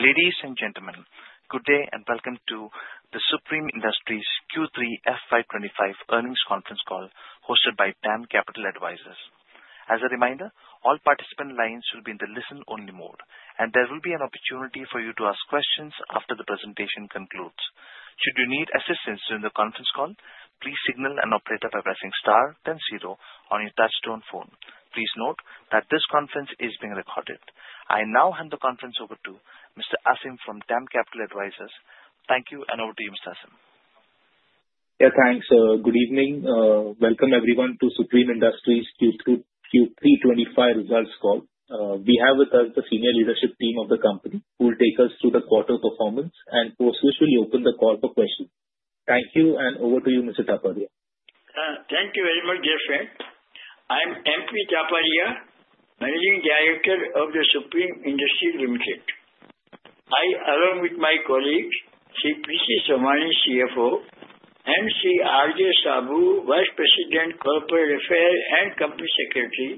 Ladies and gentlemen, good day and welcome to the Supreme Industries Q3 FY 2025 earnings conference call hosted by DAM Capital Advisors. As a reminder, all participant lines will be in the listen-only mode, and there will be an opportunity for you to ask questions after the presentation concludes. Should you need assistance during the conference call, please signal an operator by pressing star, then zero on your touchtone phone. Please note that this conference is being recorded. I now hand the conference over to Mr. Aasim from DAM Capital Advisors. Thank you, and over to you, Mr. Aasim. Yeah, thanks. Good evening. Welcome, everyone, to Supreme Industries Q3 FY 2025 results call. We have with us the senior leadership team of the company who will take us through the quarter performance and after which we'll open the call for questions. Thank you, and over to you, Mr. Taparia. Thank you very much, dear friend. I'm M.P. Taparia, Managing Director of Supreme Industries Limited. I, along with my colleagues, P.C. Somani, CFO, and R.J. Saboo, Vice President, Corporate Affairs and Company Secretary,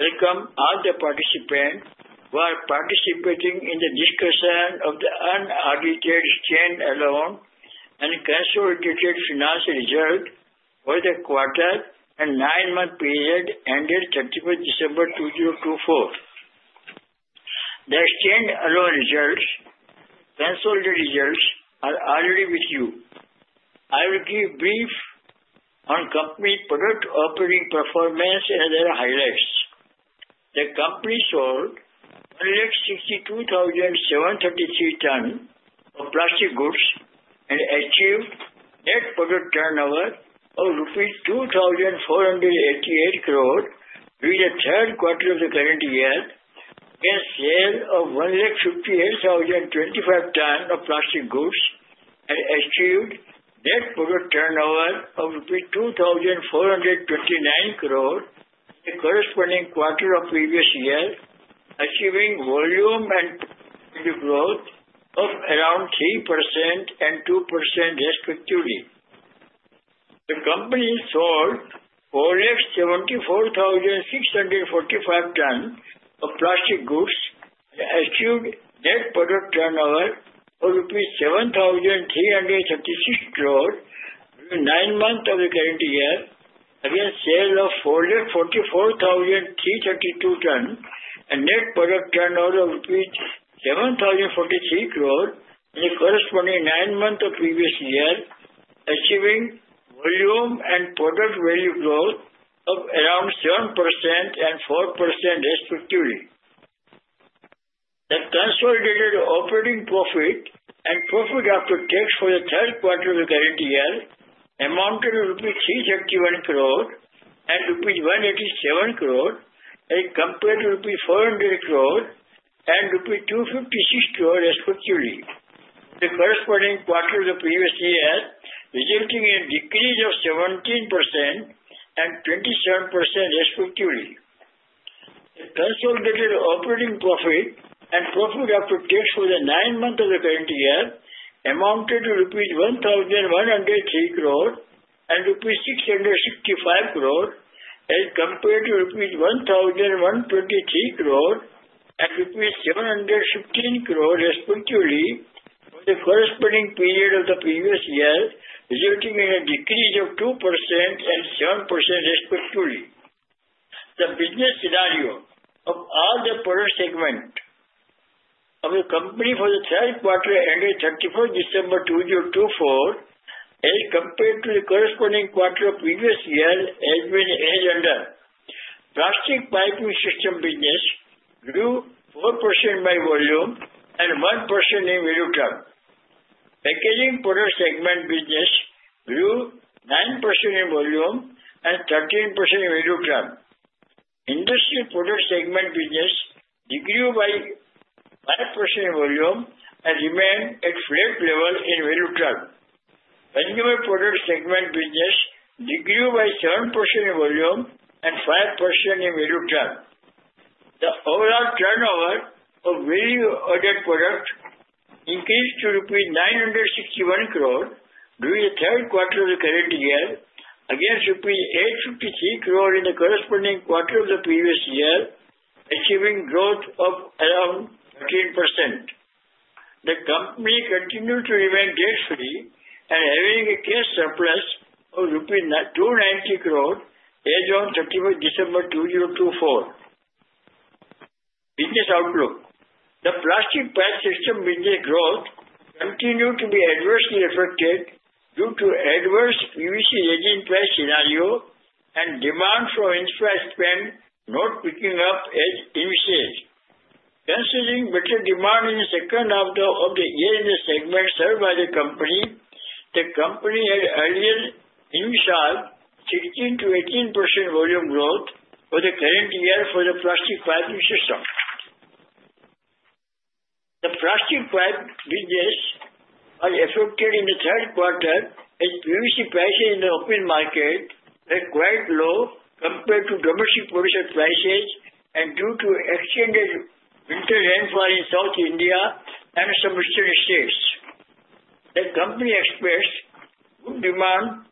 welcome all the participants who are participating in the discussion of the unaudited standalone and consolidated financial results for the quarter and nine-month period ended 31st December 2024. The standalone results, consolidated results, are already with you. I will give a brief on company product operating performance and their highlights. The company sold 162,733 tons of plastic goods and achieved net product turnover of INR 2,488 crore with the third quarter of the current year, and sale of 158,025 tons of plastic goods, and achieved net product turnover of INR 2,429 crore with the corresponding quarter of previous year, achieving volume and growth of around 3% and 2% respectively. The company sold 474,645 tons of plastic goods and achieved net product turnover of INR 7,336 crore in nine months of the current year, as against sales of 444,332 tons and net product turnover of INR 7,043 crore in the corresponding nine months of the previous year, achieving volume and product value growth of around 7% and 4% respectively. The consolidated operating profit and profit after tax for the third quarter of the current year amounted to rupees 331 crore and rupees 187 crore, as compared to rupees 400 crore and rupees 256 crore respectively in the corresponding quarter of the previous year, resulting in a decrease of 17% and 27% respectively. The consolidated operating profit and profit after tax for the nine months of the current year amounted to rupees 1,103 crore and rupees 665 crore, as compared to rupees 1,123 crore and rupees 715 crore respectively for the corresponding period of the previous year, resulting in a decrease of 2% and 7% respectively. The business scenario of all the product segment of the company for the third quarter ended 31st December 2024, as compared to the corresponding quarter of previous year, has been as under. Plastic Piping System business grew 4% by volume and 1% in value term. Packaging Products segment business grew 9% in volume and 13% in value term. Industrial Products segment business decreased by 5% in volume and remained at flat level in value term. Consumer Products segment business decreased by 7% in volume and 5% in value term. The overall turnover of value-added product increased to rupees 961 crore in the third quarter of the current year, against rupees 853 crore in the corresponding quarter of the previous year, achieving growth of around 13%. The company continued to remain debt-free and having a cash surplus of rupees 290 crore as of 31st December 2024. Business outlook: The plastic pipe system business growth continued to be adversely affected due to adverse PVC resin price scenario and demand for infrastructure spend not picking up as anticipated. Considering better demand in the second half of the year in the segment served by the company, the company had earlier indicated 16%-18% volume growth for the current year for the plastic piping system. The plastic pipe business was affected in the third quarter as PVC prices in the open market were quite low compared to domestic producer prices and due to extended winter rainfall in South India and some eastern states. The company expressed good demand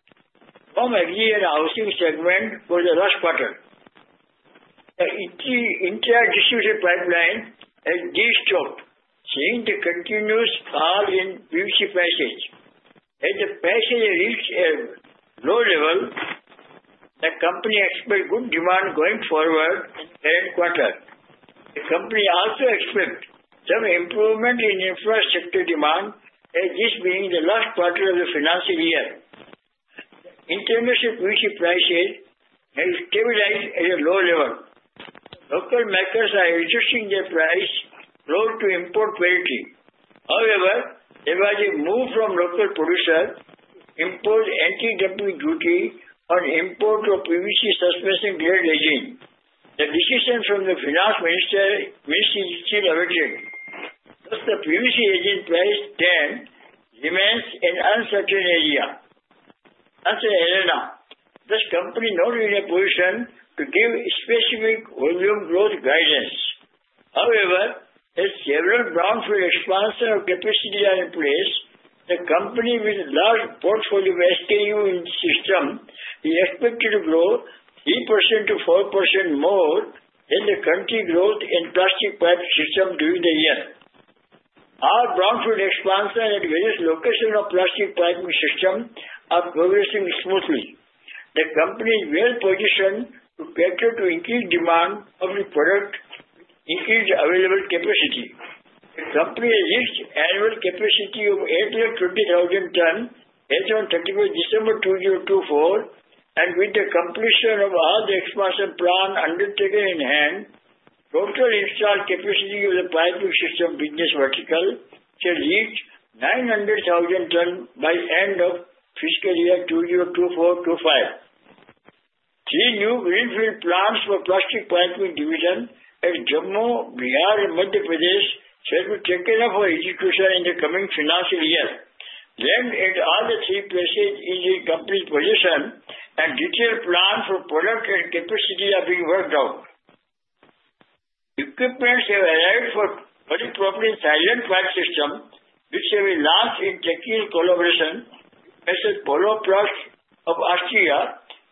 from agri and housing segment for the last quarter. The entire distributed pipeline has de-stocked, seeing the continuous fall in PVC prices. As the prices reached a low level, the company expects good demand going forward in the current quarter. The company also expects some improvement in infrastructure demand as this being the last quarter of the financial year. The intermediate PVC prices have stabilized at a low level. Local makers are reducing their prices close to import parity. However, there was a move from local producer to impose anti-dumping duty on import of PVC suspension-grade resin. The decision from the Finance Ministry is still awaited. Thus, the PVC resin price trend remains an uncertain area. As such, the company is not in a position to give specific volume growth guidance. However, as several brownfield expansion capacities are in place, the company with large portfolio SKU in the system is expected to grow 3%-4% more than the country growth in plastic piping system during the year. All brownfield expansion at various locations of plastic piping system are progressing smoothly. The company is well positioned to cater to increased demand of the product to increase available capacity. The company has reached annual capacity of 820,000 tons as of 31st December 2024, and with the completion of all the expansion plan undertaken in hand, total installed capacity of the piping system business vertical shall reach 900,000 tons by end of fiscal year 2024-2025. Three new greenfield plants for plastic piping division at Jammu, Bihar, and Madhya Pradesh shall be taken up for execution in the coming financial year. At all the three places, it is in company's possession, and detailed plans for product and capacity are being worked out. Equipment has arrived for polypropylene silent pipe system, which has been launched in technical collaboration with Poloplast of Austria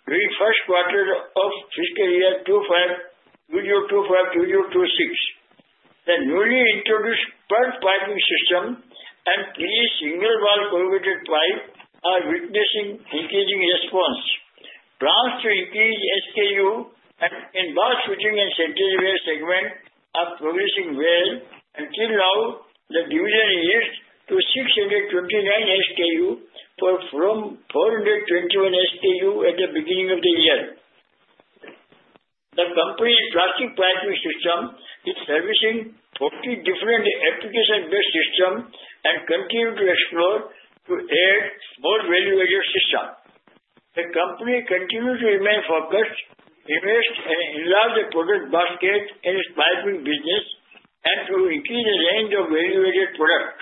during the first quarter of fiscal year 2025-2026. The newly introduced PE-RT piping system and double-wall corrugated pipe are witnessing increasing response. Plans to increase SKU and in bulk suction and secondary water segment are progressing well, until now the division reached to 629 SKU for 421 SKU at the beginning of the year. The company's plastic piping system is servicing 40 different application-based systems and continues to explore to add more value-added system. The company continues to remain focused, immersed, and enlarge the product basket in its piping business and to increase the range of value-added product.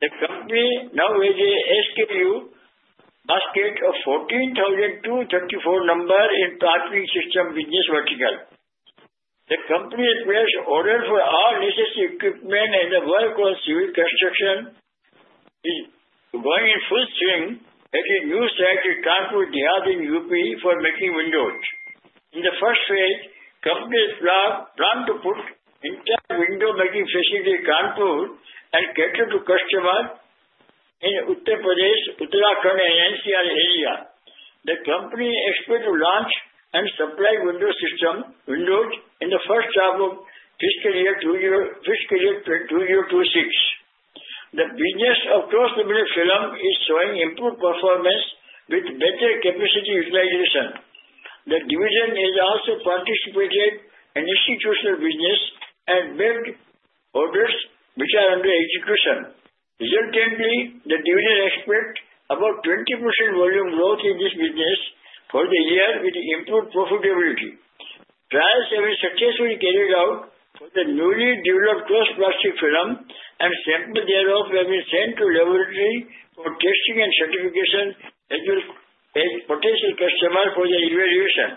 The company now has a SKU basket of 14,234 number in piping system business vertical. The company's placed order for all necessary equipment and the work on civil construction is going in full swing at a new site in Kanpur Dehat, in UP for making windows. In the first phase, the company is planning to put entire window-making facility in Kanpur and cater to customers in Uttar Pradesh, Uttarakhand, and NCR area. The company expects to launch and supply window systems in the first half of fiscal year 2026. The business across the market of Sri Lanka is showing improved performance with better capacity utilization. The division has also participated in institutional business and made orders which are under execution. Resultantly, the division expects about 20% volume growth in this business for the year with improved profitability. Trials have been successfully carried out for the newly developed cross-laminated film, and samples thereof have been sent to laboratory for testing and certification as well as potential customers for their evaluation.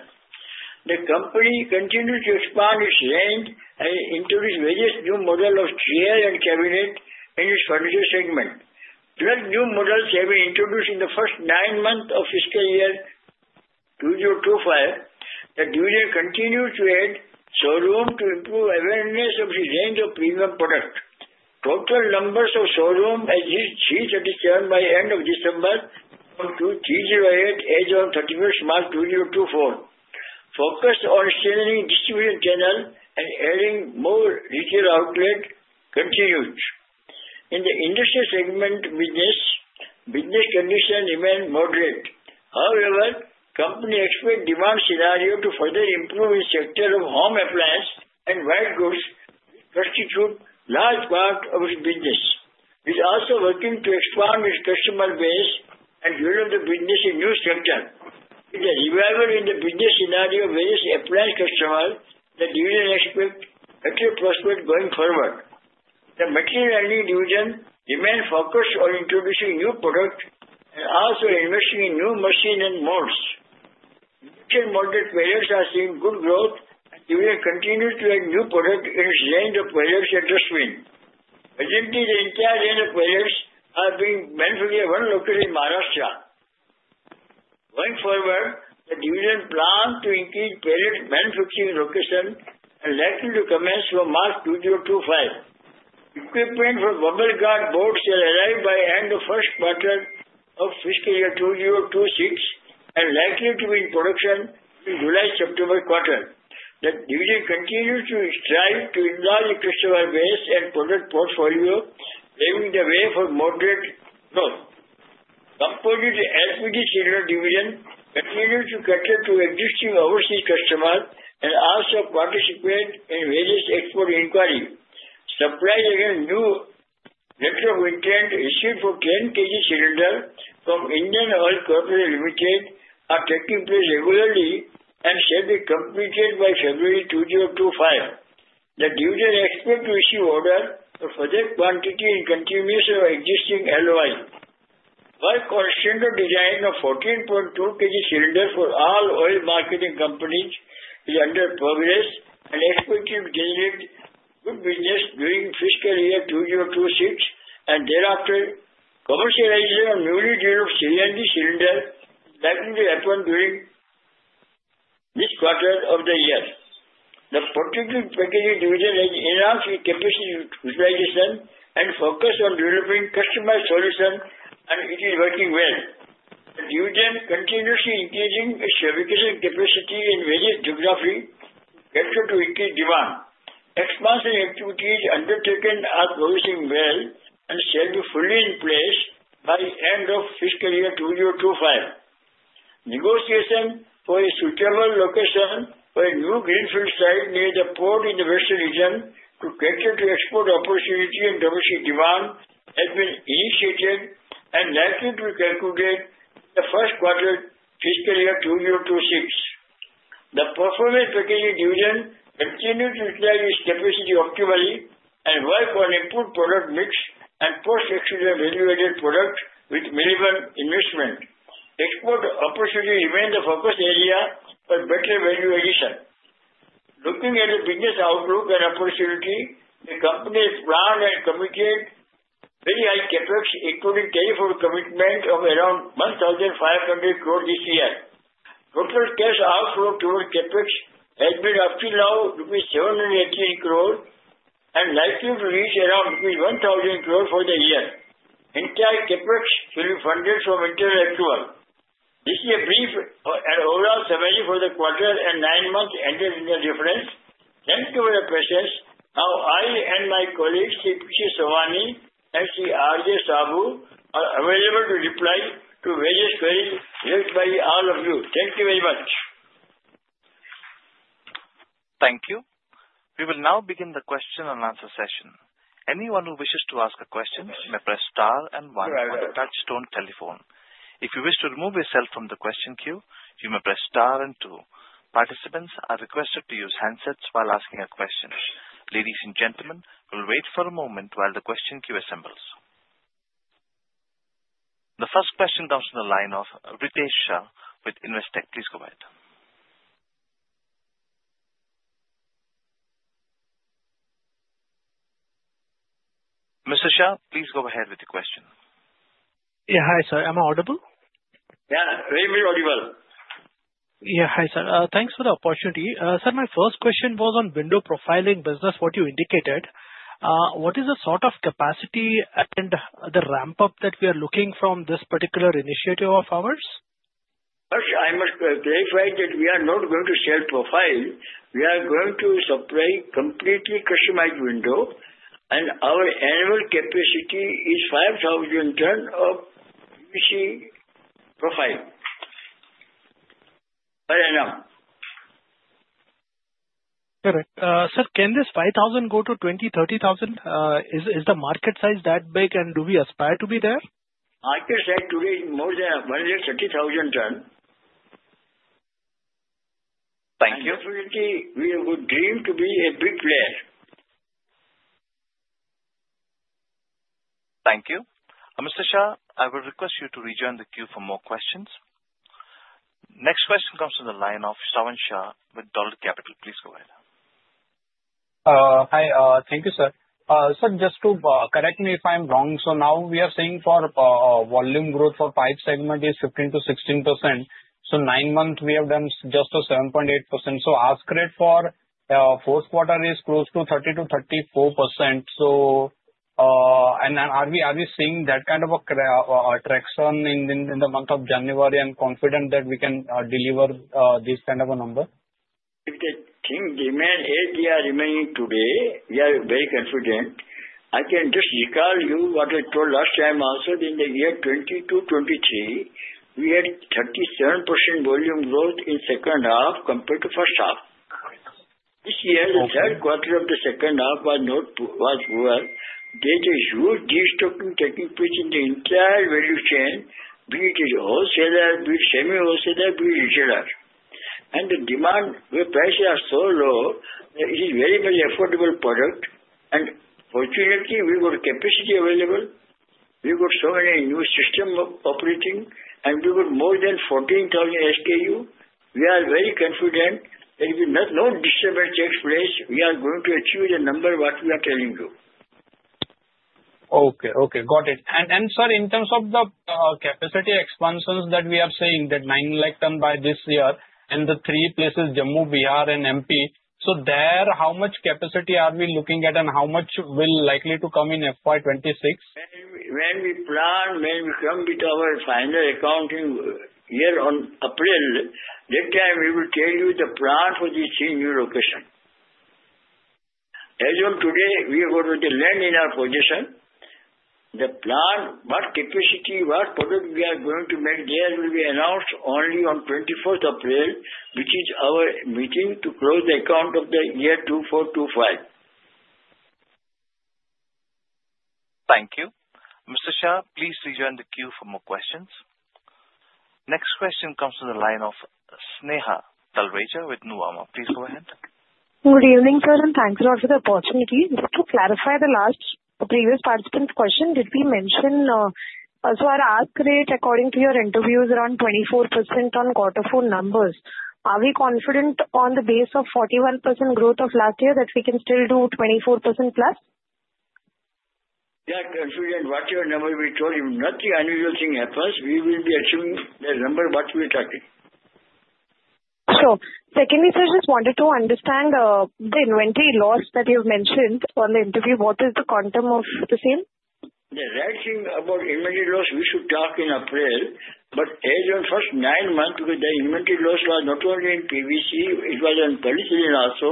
The company continues to expand its range and introduce various new models of chairs and cabinets in its furniture segment. 12 new models have been introduced in the first nine months of fiscal year 2025. The division continues to add showrooms to improve awareness of its range of premium products. Total numbers of showrooms exist 337 by end of December 2024, as of 31st March 2024. Focus on selling distribution channels and adding more retail outlets continues. In the industrial segment business, business conditions remain moderate. However, the company expects demand scenario to further improve in the sector of home appliances and white goods, to constitute a large part of its business. It is also working to expand its customer base and develop the business in new sectors. With the revival in the business scenario of various appliance customers, the division expects better prospects going forward. The Material Handling Division remains focused on introducing new products and also investing in new machines and molds. Industrial molded pallets are seeing good growth, and the division continues to add new products in its range of pallets at a swing. Presently, the entire range of pallets is being manufactured at one location in Maharashtra. Going forward, the division plans to increase pallet manufacturing locations and likely to commence from March 2025. Equipment for BubbleGuard boards shall arrive by end of the first quarter of fiscal year 2026 and likely to be in production in the July-September quarter. The division continues to strive to enlarge its customer base and product portfolio, paving the way for moderate growth. Composite LPG Cylinder Division continues to cater to existing overseas customers and also participate in various export inquiries. Supplies against new contract wins received for 10 kg cylinders from Indian Oil Corporation Limited are taking place regularly and shall be completed by February 2025. The division expects to receive orders for further quantity in continuation of existing LOI. Work on standard design of 14.2 kg cylinders for all oil marketing companies is under progress, and expectations generate good business during fiscal year 2026 and thereafter. Commercialization of newly developed CNG cylinders is likely to happen during this quarter of the year. The Protective Packaging Division has enhanced its capacity utilization and focused on developing customized solutions, and it is working well. The division continues to increase its fabrication capacity in various geographies to cater to increased demand. Expansion activities undertaken are progressing well and shall be fully in place by the end of fiscal year 2025. Negotiation for a suitable location for a new greenfield site near the port in the western region to cater to export opportunity and domestic demand has been initiated and likely to be concluded in the first quarter of fiscal year 2026. The Performance Packaging Division continues to utilize its capacity optimally and work on improved product mix and post-expansion value-added product with minimum investment. Export opportunity remains the focus area for better value addition. Looking at the business outlook and opportunity, the company has planned and committed very high CapEx, including carry forward commitment of around 1,500 crore this year. Total cash outflow towards CapEx has been up to now rupees 718 crore and likely to reach around rupees 1,000 crore for the year. Entire CapEx shall be funded from internal accruals. This is a brief and overall summary for the quarter and nine months ended in the reference. Thank you for your presence. Now, I and my colleagues, P. C. Somani and R.J. Saboo, are available to reply to various queries raised by all of you. Thank you very much. Thank you. We will now begin the question-and-answer session. Anyone who wishes to ask a question may press star and one for the touch-tone telephone. If you wish to remove yourself from the question queue, you may press star and two. Participants are requested to use handsets while asking a question. Ladies and gentlemen, we'll wait for a moment while the question queue assembles. The first question comes from the line of Ritesh Shah with Investec. Please go ahead. Mr. Shah, please go ahead with the question. Yeah, hi, sir. Am I audible? Yeah, very, very audible. Yeah, hi, sir. Thanks for the opportunity. Sir, my first question was on window profiling business, what you indicated. What is the sort of capacity and the ramp-up that we are looking from this particular initiative of ours? I'm very glad that we are not going to sell profile. We are going to supply completely customized windows, and our annual capacity is 5,000 tons of PVC profile. Correct. Sir, can this 5,000 go to 20,000, 30,000? Is the market size that big, and do we aspire to be there? Market size today is more than 130,000 tons. Thank you. We have a dream to be a big player. Thank you. Mr. Shah, I will request you to rejoin the queue for more questions. Next question comes from the line of Shravan Shah with Dolat Capital. Please go ahead. Hi, thank you, sir. Sir, just to correct me if I'm wrong, so now we are seeing for volume growth for pipe segment is 15%-16%. So nine months, we have done just a 7.8%. So growth rate for fourth quarter is close to 30%-34%. And are we seeing that kind of a traction in the month of January and confident that we can deliver this kind of a number? The demand as it is remaining today, we are very confident. I can just recall you what I told last time also in the year 2022-2023. We had 37% volume growth in the second half compared to the first half. This year, the third quarter of the second half was poor. There is a huge destocking taking place in the entire value chain, be it wholesaler, be it semi-wholesaler, be it retailer. And the demand prices are so low, it is very much affordable product. And fortunately, we got capacity available. We got so many new systems operating, and we got more than 14,000 SKU. We are very confident that if no disturbance takes place, we are going to achieve the number what we are telling you. Okay, okay. Got it. Sir, in terms of the capacity expansions that we are seeing, that 9 lakh tons by this year in the three places, Jammu, Bihar, and MP, so there, how much capacity are we looking at and how much will likely to come in FY 2026? When we plan, when we come with our final accounting year on April, that time we will tell you the plan for this new location. As of today, we have got the land in our possession. The plan, what capacity, what product we are going to make there will be announced only on 24th April, which is our meeting to close the account of the year 2024-2025. Thank you. Mr. Shah, please rejoin the queue for more questions. Next question comes from the line of Sneha Talreja with Nuvama. Please go ahead. Good evening, sir, and thanks a lot for the opportunity. Just to clarify the last previous participant's question, did we mention as far as ask rate, according to your interviews, around 24% on quarter four numbers? Are we confident on the base of 41% growth of last year that we can still do 24%+? Yeah, confident. Whatever number we told you, nothing unusual thing happens. We will be assuming the number what we are talking. Sure. Secondly, sir, just wanted to understand the inventory loss that you've mentioned on the interview. What is the quantum of the same? The right thing about inventory loss, we should talk in April, but as of first nine months, because the inventory loss was not only in PVC, it was in polyethylene also,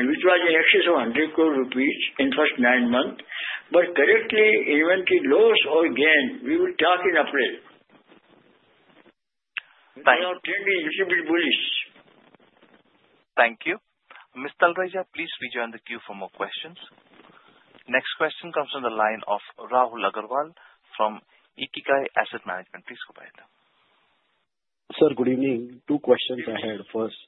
and which was in excess of 100 crore rupees in first nine months. But correctly, inventory loss or gain, we will talk in April. We are trending a little bit bullish. Thank you. Ms. Talreja, please rejoin the queue for more questions. Next question comes from the line of Rahul Agarwal from Ikigai Asset Management. Please go ahead. Sir, good evening. Two questions I had. First,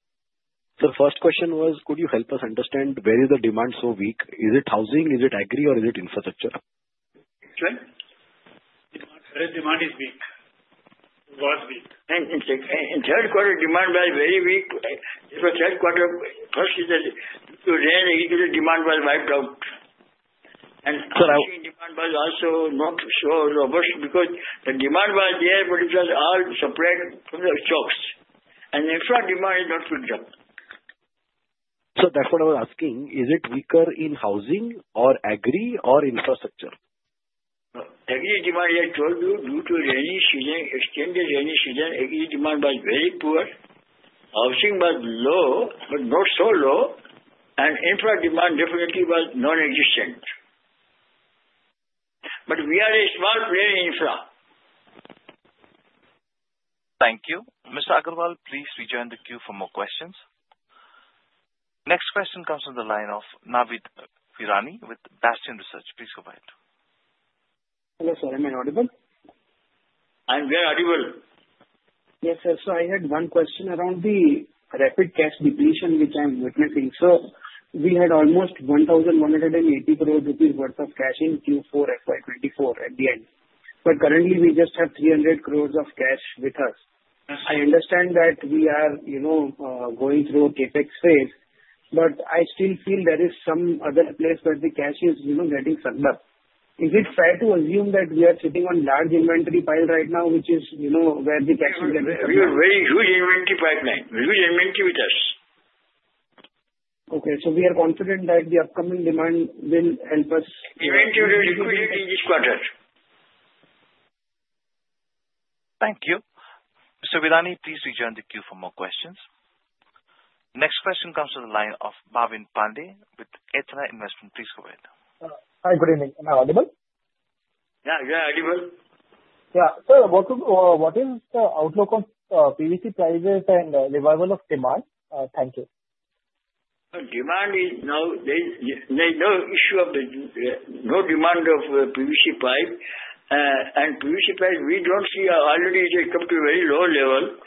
sir, first question was, could you help us understand where is the demand so weak? Is it housing, is it agri, or is it infrastructure? Demand is weak. It was weak. In third quarter, demand was very weak. This was third quarter. First, it was there; the demand was wiped out. And demand was also not so robust because the demand was there, but it was all supplied from the stocks. And the infra demand is not picked up. Sir, that's what I was asking. Is it weaker in housing or agri or infrastructure? Agri demand, as I told you, due to extended agri demand was very poor. Housing was low, but not so low. And infra demand definitely was non-existent. But we are a small player in infra. Thank you. Mr. Agarwal, please rejoin the queue for more questions. Next question comes from the line of Navid Virani, with Bastion Research. Please go ahead. Hello, sir. Am I audible? You're very audible. Yes, sir. Sir, I had one question around the rapid cash depletion which I'm witnessing. Sir, we had almost 1,180 crore rupees worth of cash in Q4 FY 2024 at the end. But currently, we just have 300 crores of cash with us. I understand that we are going through a CapEx phase, but I still feel there is some other place where the cash is getting sucked up. Is it fair to assume that we are sitting on large inventory pile right now, which is where the cash is getting tied up? We have very good inventory pile now. We have heavy inventory with us. Okay. So we are confident that the upcoming demand will help us. Inventory will be completed in this quarter. Thank you. Mr. Virani, please rejoin the queue for more questions. Next question comes from the line of Bhavin Pande, with Athena Investments. Please go ahead. Hi, good evening. Am I audible? Yeah, you're audible. Yeah. Sir, what is the outlook of PVC prices and revival of demand? Thank you. Demand is now there is no issue of no demand of PVC pipe. And PVC pipe, we don't see already it has come to a very low level.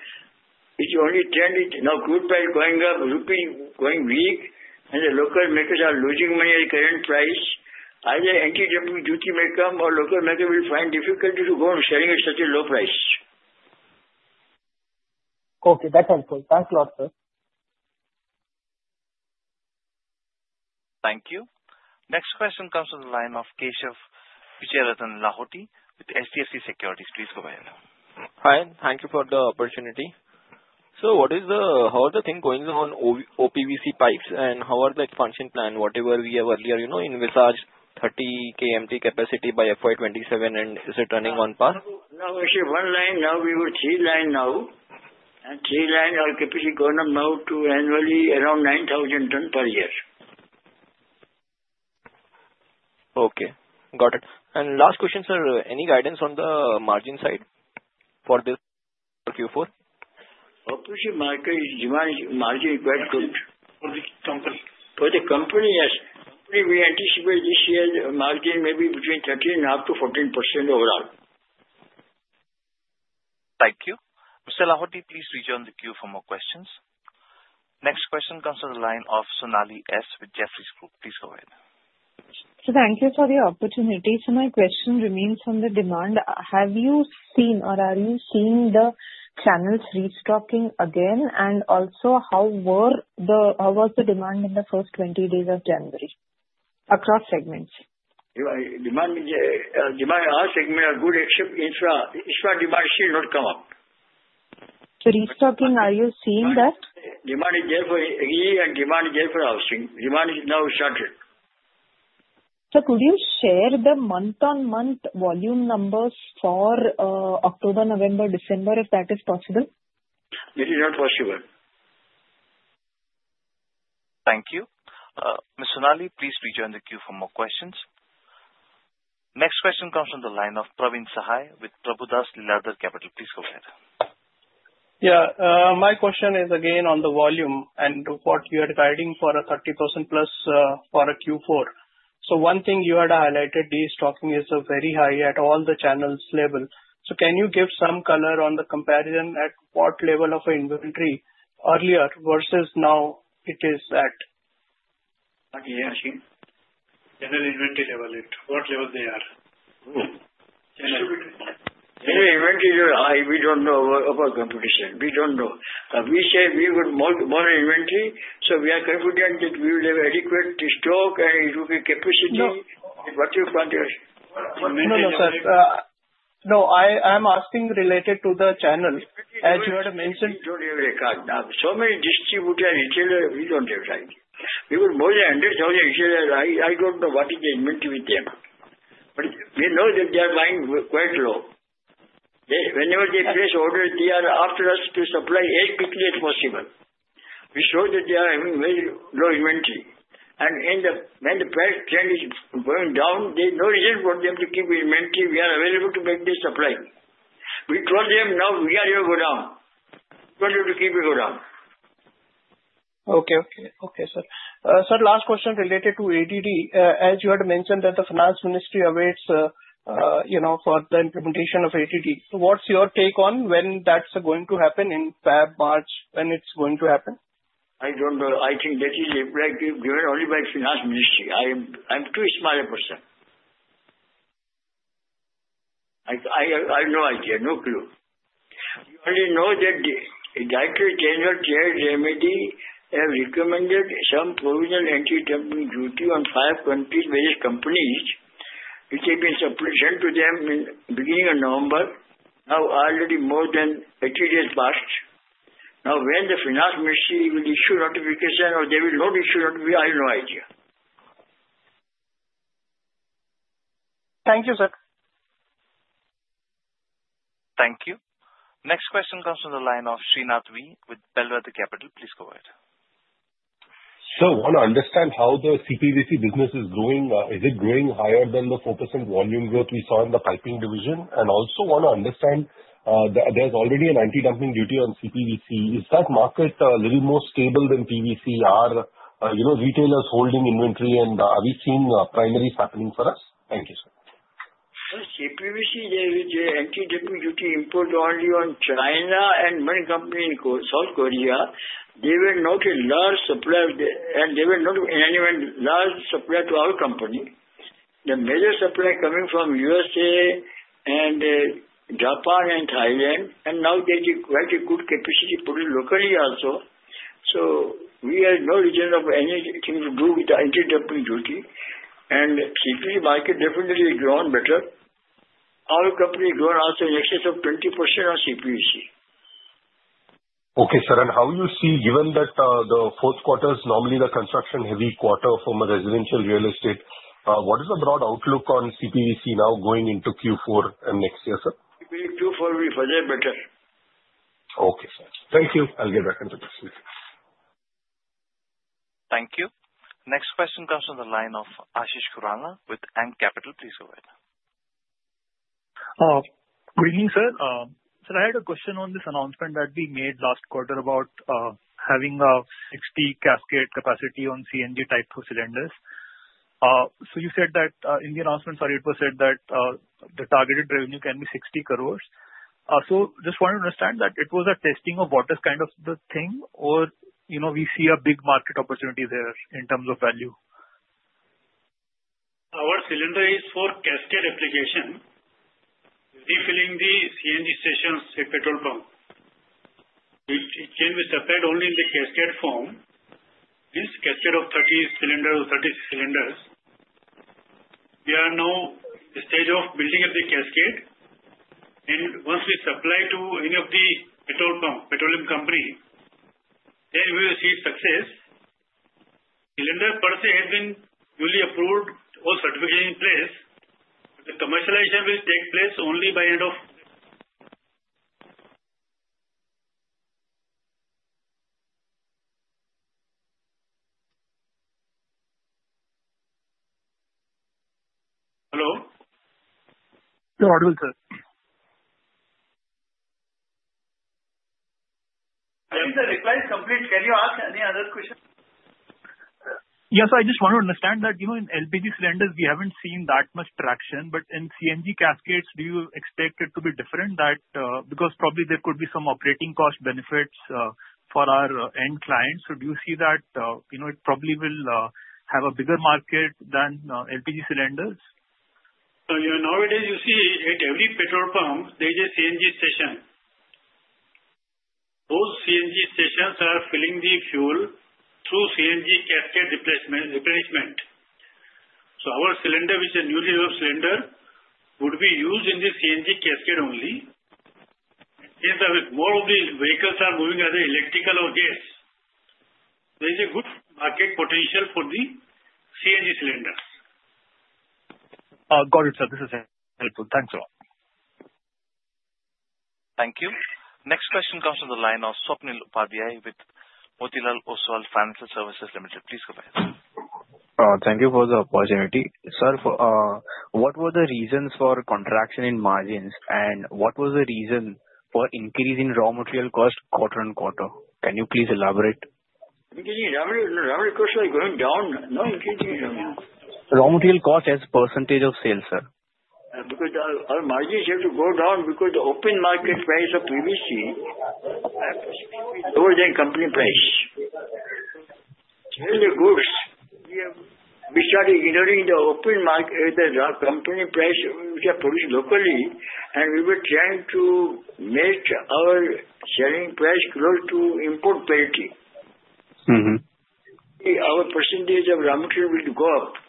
It's only trended. Now crude price going up, rupee going weak, and the local makers are losing money at current price. Either anti-dumping duty may come or local maker will find difficulty to go on selling at such a low price. Okay. That's helpful. Thanks a lot, sir. Thank you. Next question comes from the line of Keshav Lahoti, with HDFC Securities. Please go ahead. Hi. Thank you for the opportunity. Sir, how are the things going on OPVC pipes, and how are the expansion plan, whatever we have earlier in Vizag 30 KMT capacity by FY 2027, and is it running on par? Now we have one line. Now we got three lines now. And three lines are capability going up now to annually around 9,000 tons per year. Okay. Got it. And last question, sir, any guidance on the margin side for this Q4? OPVC market margin is quite good. For the company, yes. We anticipate this year's margin may be between 13.5%-14% overall. Thank you. Mr. Lahoti, please rejoin the queue for more questions. Next question comes from the line of Sonali Salgaonkar, with Jefferies Group. Please go ahead. Thank you for the opportunity. Sir, my question remains on the demand. Have you seen or are you seeing the channels restocking again, and also how was the demand in the first 20 days of January across segments? Demand is all segment are good except infra. Infra demand still not come up. So restocking, are you seeing that? Demand is there for agri and demand is there for housing. Demand is now started. Sir, could you share the month-on-month volume numbers for October, November, December, if that is possible? That is not possible. Thank you. Ms. Sonali, please rejoin the queue for more questions. Next question comes from the line of Praveen Sahay, with Prabhudas Lilladher Capital. Please go ahead. Yeah. My question is again on the volume and what you are guiding for a 30,000 plus for a Q4. So one thing you had highlighted, the stocking is very high at all the channels level. So can you give some color on the comparison at what level of inventory earlier versus now it is at? Okay. Yeah, I see. General inventory level, at what level they are. General inventory level, we don't know about competition. We don't know. We say we got more inventory, so we are confident that we will have adequate stock and it will be capacity. What you want is. No, no, sir. No, I am asking related to the channel. As you had mentioned. We don't have record. So many distributors, retailers, we don't have that. We got more than 100,000 retailers. I don't know what is the inventory with them. But we know that they are buying quite low. Whenever they place orders, they are after us to supply as quickly as possible. We show that they are having very low inventory. And when the price trend is going down, there is no reason for them to keep inventory. We are available to make this supply. We told them now we are your godown. We want you to keep your godown. Okay, okay. Okay, sir. Sir, last question related to ATD. As you had mentioned that the Finance Ministry awaits for the implementation of ATD. So what's your take on when that's going to happen in February, March, when it's going to happen? I don't know. I think that is given only by Finance Ministry. I'm too smart a person. I have no idea. No clue. You only know that Directorate General of Trade Remedies has recommended some provisional anti-dumping duty on five countries, various companies, which have been sent to them in the beginning of November. Now already more than 80 days passed. Now when the Finance Ministry will issue notification or there will not issue notification, I have no idea. Thank you, sir. Thank you. Next question comes from the line of Srinath V., with Bellwether Capital. Please go ahead. Sir, I want to understand how the CPVC business is growing. Is it growing higher than the 4% volume growth we saw in the piping division? And also want to understand, there's already an anti-dumping duty on CPVC. Is that market a little more stable than PVC? Are retailers holding inventory, and are we seeing primaries happening for us? Thank you, sir. CPVC, the anti-dumping duty imposed only on China and one company in South Korea. They were not a large supplier, and they were not in any way large supplier to our company. The major supplier coming from USA and Japan and Thailand. And now they have quite a good capacity put in locally also. So we have no reason of anything to do with the anti-dumping duty. And CPVC market definitely has grown better. Our company has grown also in excess of 20% on CPVC. Okay, sir. And how do you see, given that the fourth quarter is normally the construction-heavy quarter for residential real estate, what is the broad outlook on CPVC now going into Q4 and next year, sir? Q4 will be further better. Okay, sir. Thank you. I'll get back on the question. Thank you. Next question comes from the line of Ashish Kumar, with A.K. Capital. Please go ahead. Good evening, sir. Sir, I had a question on this announcement that we made last quarter about having a 60 cascade capacity on CNG type of cylinders. So you said that in the announcement, sorry, it was said that the targeted revenue can be 60 crores. So just want to understand that it was a testing of what is kind of the thing, or we see a big market opportunity there in terms of value? Our cylinder is for cascade application, refilling the CNG stations, the petrol pump. It can be supplied only in the cascade form, means cascade of 30 cylinders or 36 cylinders. We are now in the stage of building up the cascade. And once we supply to any of the petrol pump, petroleum company, then we will see success. Cylinder per se has been fully approved or certification in place. The commercialization will take place only by end of. Hello? No, audible, sir. I think the reply is complete. Can you ask any other question? Yes, I just want to understand that in LPG cylinders, we haven't seen that much traction. But in CNG cascades, do you expect it to be different? Because probably there could be some operating cost benefits for our end clients. So do you see that it probably will have a bigger market than LPG cylinders? Nowadays, you see at every petrol pump, there is a CNG station. Those CNG stations are filling the fuel through CNG cascade replenishment. So our cylinder, which is a new type of cylinder, would be used in the CNG cascade only. Instead of it, more of the vehicles are moving either electrical or gas. There is a good market potential for the CNG cylinders. Got it, sir. This is helpful. Thanks a lot. Thank you. Next question comes from the line of Swapnil Upadhyay, with Motilal Oswal Financial Services Limited. Please go ahead. Thank you for the opportunity. Sir, what were the reasons for contraction in margins, and what was the reason for increase in raw material cost quarter on quarter? Can you please elaborate? Increasing raw material cost like going down? No, increasing raw material cost as percentage of sales, sir. Because our margins have to go down because the open market price of PVC is lower than company price. Sell the goods. We started ignoring the open market, the company price which are produced locally, and we were trying to make our selling price close to import quality. Our percentage of raw material will go up.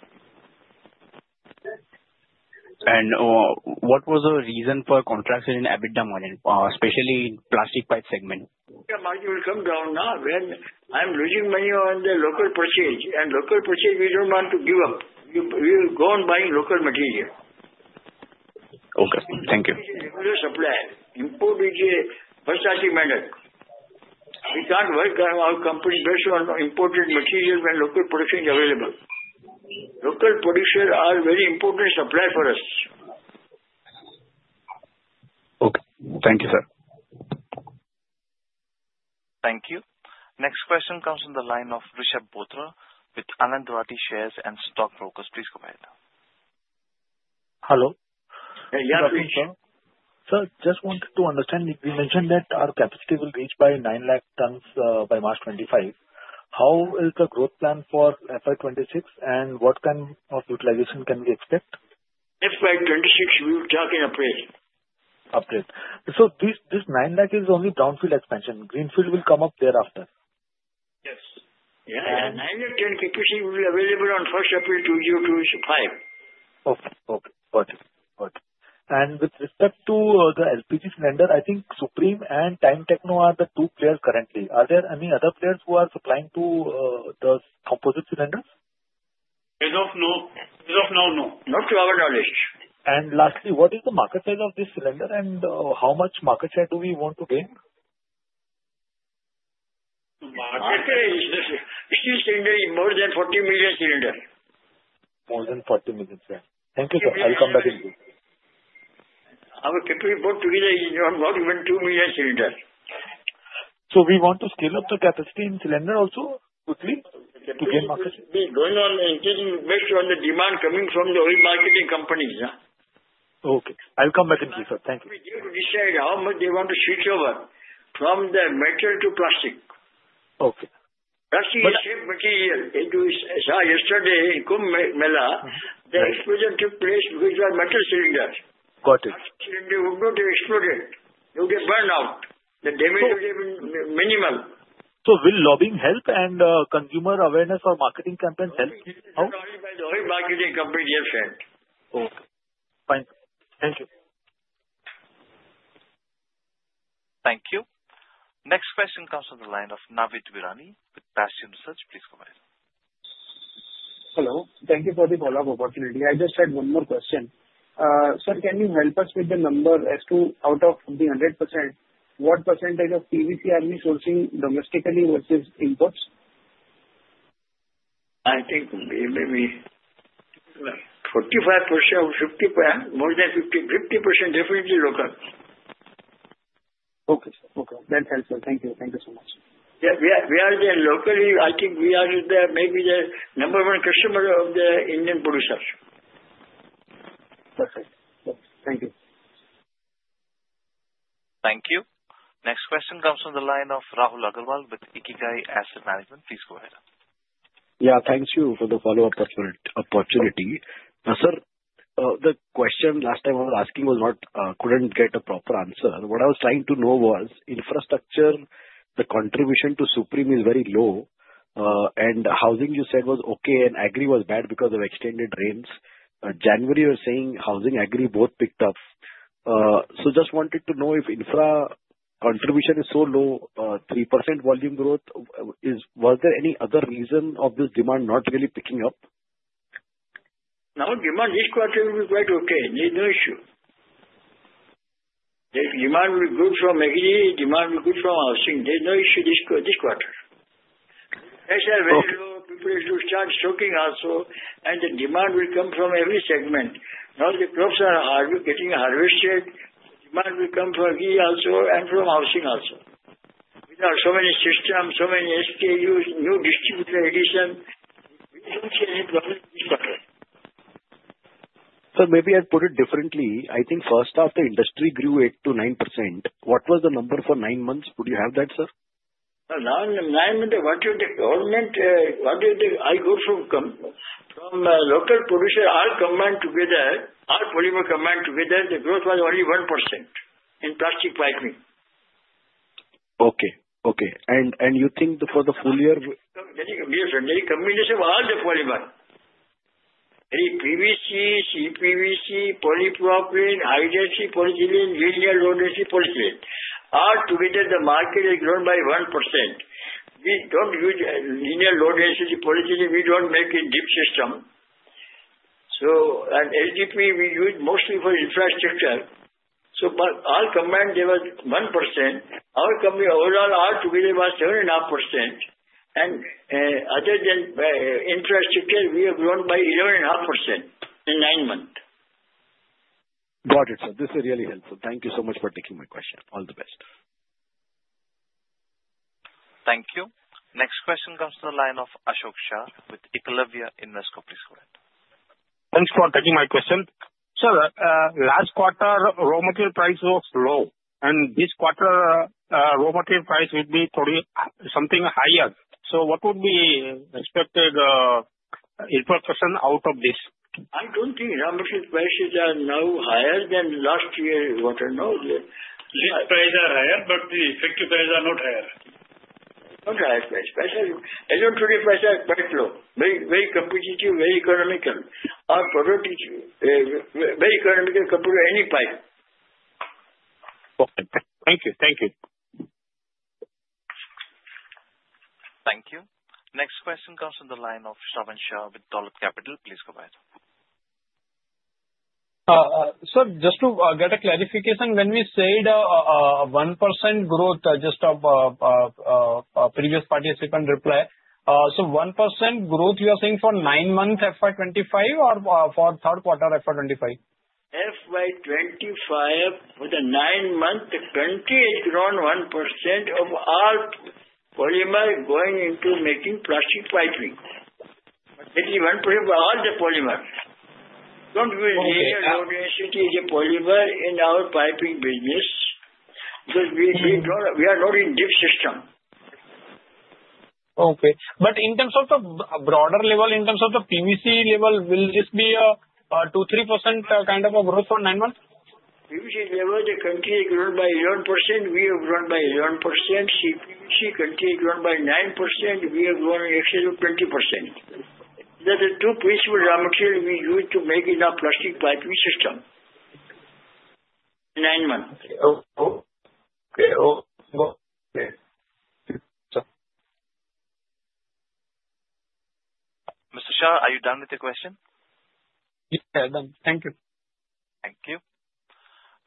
And what was the reason for contraction in EBITDA margin, especially in plastic pipe segment? Margin will come down now when I'm losing money on the local purchase. And local purchase, we don't want to give up. We will go on buying local material. Okay. Thank you. Supply. Import is a first-class demand. We can't work our company based on imported materials when local production is available. Local producers are a very important supplier for us. Okay. Thank you, sir. Thank you. Next question comes from the line of Rishab Bothra, with Anand Rathi Share and Stock Brokers. Please go ahead. Hello. Yeah, Rishab sir. Sir, just wanted to understand. We mentioned that our capacity will reach by 9 lakh tons by March 2025. How is the growth plan for FY 2026, and what kind of utilization can we expect? FY 2026, we will talk in April. Upgrade. So this 9 lakh is only brownfield expansion. Greenfield will come up thereafter. Yes. Yeah. 9 lakh tons PVC will be available on 1st April 2025. Okay. Okay. Got it. Got it. With respect to the LPG cylinder, I think Supreme and Time Technoplast are the two players currently. Are there any other players who are supplying to the composite cylinders? As of now, no. Not to our knowledge. And lastly, what is the market size of this cylinder, and how much market share do we want to gain? The market size for the cylinder is more than 40 million cylinders. More than 40 million. Thank you, sir. I'll come back in brief. Our capacity is not even two million cylinders. So we want to scale up the capacity in cylinder also quickly to gain market share? We are going to increase capacity to match the demand coming from the oil marketing companies. Okay. I'll come back in brief, sir. Thank you. We need to decide how much they want to switch over from the metal to plastic. Plastic is a shape material. Yesterday in Kumbh Mela, the explosion took place because of metal cylinders. Got it. Cylinder would not explode. It would get burned out. The damage would have been minimal. So will lobbying help, and consumer awareness or marketing campaigns help? The oil marketing company they have sent. Okay. Fine. Thank you. Thank you. Next question comes from the line of Navid Virani, with Bastion Research. Please go ahead. Hello. Thank you for the follow-up opportunity. I just had one more question. Sir, can you help us with the number as to out of the 100%, what percentage of PVC are we sourcing domestically versus imports? I think maybe 45% or 50%. More than 50% definitely local. Okay. Okay. That helps. Thank you. Thank you so much. We are the locally, I think we are maybe the number one customer of the Indian producers. Thank you. Next question comes from the line of Rahul Agarwal, with Ikigai Asset Management. Please go ahead. Yeah. Thank you for the follow-up opportunity. Sir, the question last time I was asking was not. Couldn't get a proper answer. What I was trying to know was infrastructure, the contribution to Supreme is very low, and housing you said was okay, and agri was bad because of extended rains. January you were saying housing agri both picked up. So just wanted to know if infra contribution is so low, 3% volume growth, was there any other reason of this demand not really picking up? Now demand this quarter will be quite okay. There's no issue. Demand will be good from agri, demand will be good from housing. There's no issue this quarter. Prices are very low, people will start stocking also, and the demand will come from every segment. Now the crops are getting harvested, demand will come from agri also and from housing also. We have so many systems, so many SKUs, new distributor addition. We don't see any problem this quarter. Sir, maybe I'll put it differently. I think first half the industry grew 8%-9%. What was the number for nine months? Could you have that, sir? Now in the nine months, what did the government, what did the govt. PSUs from local producers all combined together, all polymer combined together, the growth was only 1% in plastic piping. Okay. Okay. And you think for the full year? Yes, and the combination of all the polymer. PVC, CPVC, polypropylene, high-density polyethylene, linear low density polyethylene. All together, the market has grown by 1%. We don't use linear low density polyethylene. We don't make a DWC system. So LLDPE, we use mostly for infrastructure. So all combined, there was 1%. Our company overall altogether was 7.5%. And other than infrastructure, we have grown by 11.5% in nine months. Got it, sir. This is really helpful. Thank you so much for taking my question. All the best. Thank you. Next question comes from the line of Ashok Shah, with Eklavya Capital Advisors. Please go ahead. Thanks for taking my question. Sir, last quarter raw material price was low, and this quarter raw material price will be something higher. So what would be expected inflation out of this? I don't think raw material prices are now higher than last year. What I know is that prices are higher, but the effective prices are not higher. Not higher price. Prices are quite low. Very competitive, very economical. Our product is very economical compared to any pipe. Okay. Thank you. Thank you. Thank you. Next question comes from the line of Shravan Shah, with Dolat Capital. Please go ahead. Sir, just to get a clarification, when we said 1% growth just of previous participant reply, so 1% growth you are saying for nine months FY 2025 or for third quarter FY 2025? FY 2025 for the nine months, 28% grown 1% of all polymer going into making plastic piping. But that is 1% for all the polymers. Don't use linear low density polymer in our piping business because we are not in deep system. Okay. But in terms of the broader level, in terms of the PVC level, will this be a 2%, 3% kind of a growth for nine months? PVC level, the country has grown by 1%. We have grown by 1%. CPVC country has grown by 9%. We have grown excess of 20%. That is 2% raw material we use to make enough plastic piping system in nine months. Okay. Okay. Okay. Sir. Mr. Shah, are you done with your question? Yes, I'm done. Thank you. Thank you.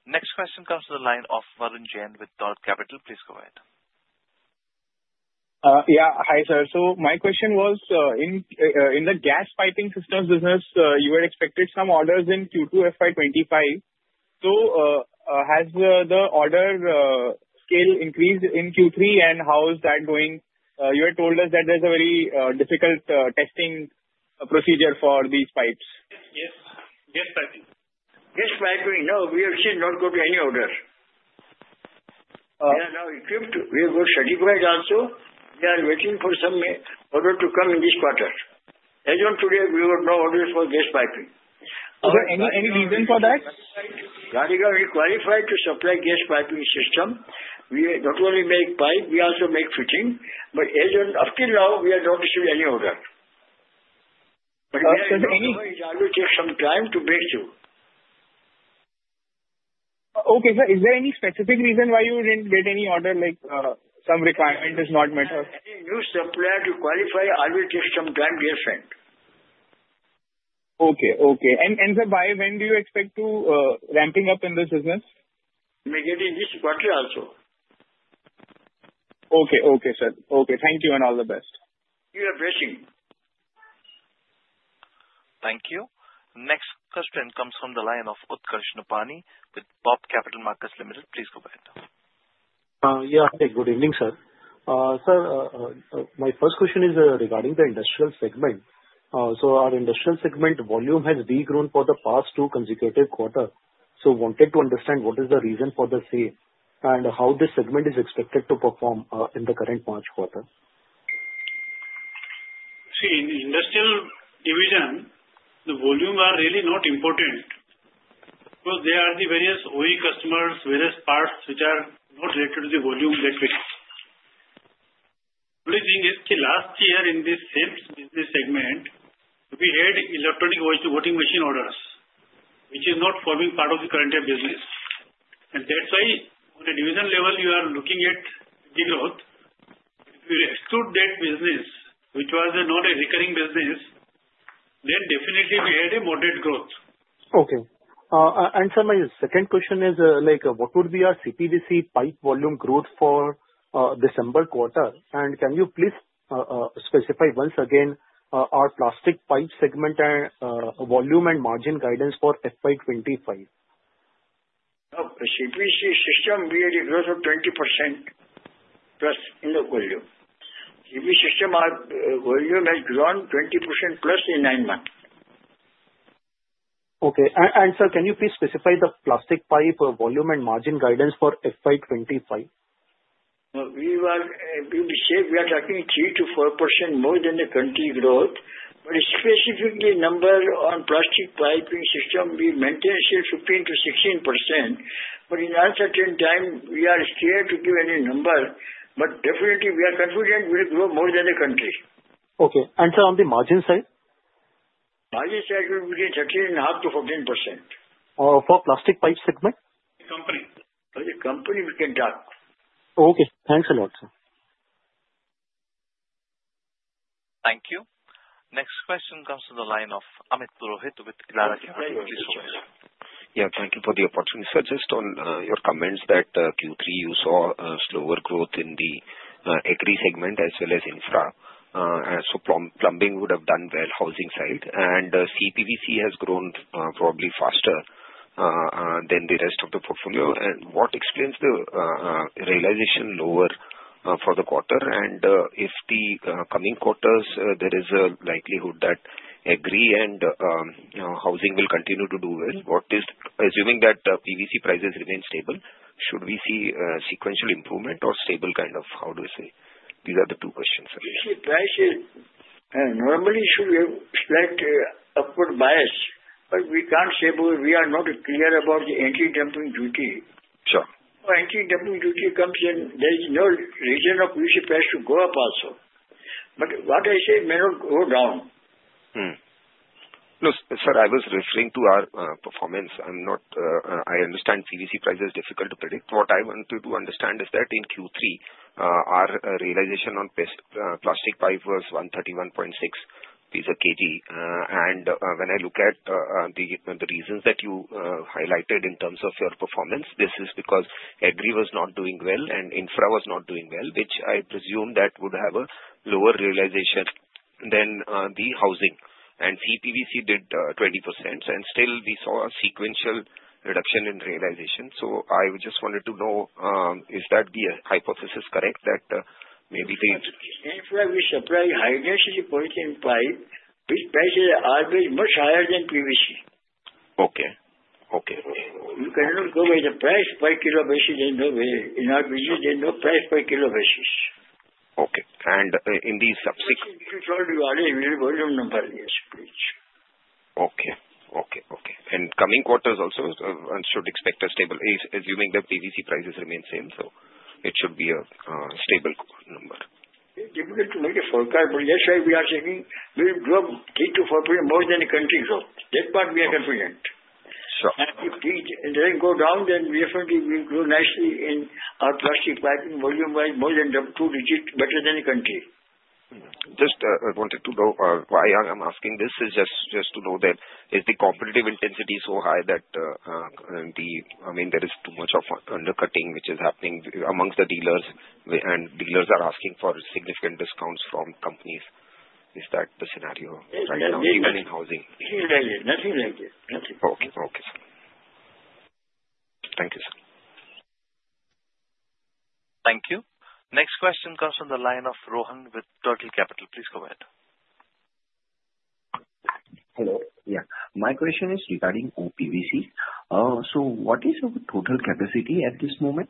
Next question comes from the line of Varun Jain, with Dolat Capital. Please go ahead. Yeah. Hi, sir. So my question was, in the gas piping systems business, you had expected some orders in Q2 FY 2025. So has the order scale increased in Q3, and how is that going? You had told us that there's a very difficult testing procedure for these pipes. Yes. Gas piping. Gas piping, no, we have still not got any order. We have got certified also. We are waiting for some order to come in this quarter. As of today, we got no orders for gas piping. Is there any reason for that? The company has qualified to supply gas piping system. We not only make pipe, we also make fitting. But as of till now, we have not received any order. But we are going to take some time to break through. Okay, sir. Is there any specific reason why you didn't get any order, like some requirement is not met? If we need a new supplier to qualify, it will take some time, dear friend. Okay. Okay. And sir, by when do you expect to ramp up in this business? Immediately this quarter also. Okay. Okay, sir. Okay. Thank you and all the best. You have blessings. Thank you. Next question comes from the line of Utkarsh Nopany, with BOB Capital Markets Limited. Please go ahead. Yeah. Good evening, sir. Sir, my first question is regarding the industrial segment. Our industrial segment volume has regrown for the past two consecutive quarters. I wanted to understand what is the reason for the fall and how this segment is expected to perform in the current March quarter. See, in the industrial division, the volumes are really not important because there are the various OE customers, various parts which are not related to the volume that way. The only thing is last year in this same segment, we had electronic washing machine orders, which is not forming part of the current business. And that's why on a division level, you are looking at the growth. If you exclude that business, which was not a recurring business, then definitely we had a moderate growth. Okay. And sir, my second question is, what would be our CPVC pipe volume growth for December quarter? Can you please specify once again our plastic pipe segment volume and margin guidance for FY 2025? CPVC system, we had a growth of 20% plus in the volume. CPVC system volume has grown 20% plus in nine months. Okay. Sir, can you please specify the plastic pipe volume and margin guidance for FY 2025? We will say we are talking 3%-4% more than the country growth. But specifically, number on plastic piping system, we maintain still 15%-16%. But in uncertain time, we are scared to give any number. But definitely, we are confident we will grow more than the country. Okay. Sir, on the margin side? Margin side will be between 13.5%-14%. For plastic pipe segment? The company. For the company, we can talk. Okay. Thanks a lot, sir. Thank you. Next question comes from the line of Amit Purohit, with Elara Capital. Please go ahead. Yeah. Thank you for the opportunity. Sir, just on your comments that Q3, you saw slower growth in the agri segment as well as infra. So plumbing would have done well housing side. And CPVC has grown probably faster than the rest of the portfolio. And what explains the realization lower for the quarter? And if the coming quarters, there is a likelihood that agri and housing will continue to do well, assuming that PVC prices remain stable, should we see sequential improvement or stable kind of, how do I say? These are the two questions, sir. PVC prices normally should have slight upward bias. But we can't say we are not clear about the anti-dumping duty. So anti-dumping duty comes in, there is no reason for PVC price to go up also. But what I say may not go down. No, sir, I was referring to our performance. I understand PVC price is difficult to predict. What I wanted to understand is that in Q3, our realization on plastic pipe was 131.6% per kilogram. And when I look at the reasons that you highlighted in terms of your performance, this is because agri was not doing well and infra was not doing well, which I presume that would have a lower realization than the housing. And CPVC did 20%. And still, we saw a sequential reduction in realization. So I just wanted to know, is that the hypothesis correct that maybe they? In infra, we supply higher density polyethylene pipe, which prices are much higher than PVC. Okay. Okay. You cannot go by the price per kilo basis. There is no way. In our business, there is no price per kilo basis. Okay. And in these subsequent. You told you already real volume number, yes, please. Okay. Okay. Okay. And coming quarters also, I should expect a stable, assuming that PVC prices remain same. So it should be a stable number. It's difficult to make a forecast, but yes, we are seeing we'll grow 3%-4% more than the country grows. That part we are confident. And if it doesn't go down, then definitely we'll grow nicely in our plastic piping volume-wise, more than double two digits, better than the country. Just wanted to know why I'm asking this. It's just to know that is the competitive intensity so high that the, I mean, there is too much of undercutting which is happening amongst the dealers, and dealers are asking for significant discounts from companies. Is that the scenario right now, even in housing? Nothing like it. Nothing like it. Nothing. Okay. Okay, sir. Thank you, sir. Thank you. Next question comes from the line of Rohan with Turtle Capital. Please go ahead. Hello. Yeah. My question is regarding OPVC. So what is your total capacity at this moment?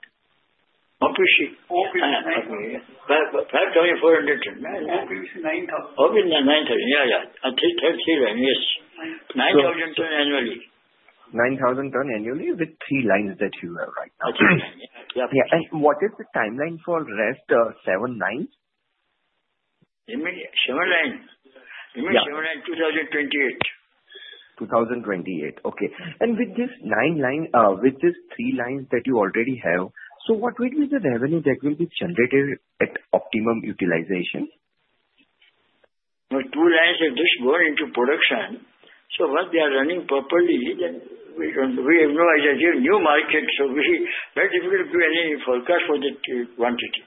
OPVC? OPVC. 5,400 tons. OPVC 9,000. OPVC 9,000. Yeah, yeah. It is 3 lines. Yes. 9,000 tons annually. 9,000 tons annually with three lines that you have right now. Okay. Yeah. And what is the timeline for FY 2029? TImeline. Timeline 2028. 2028. Okay. And with these three lines that you already have, so what will be the revenue that will be generated at optimum utilization? Two lines have just gone into production. So once they are running properly, then we have no idea. It's a new market, so we have difficulty to do any forecast for the quantity.